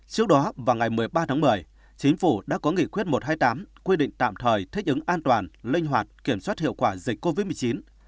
trước đó vào ngày một mươi ba tháng một mươi chính phủ đã có nghị quyết một trăm hai mươi tám quy định tạm thời thích ứng an toàn linh hoạt kiểm soát hiệu quả dịch covid một mươi chín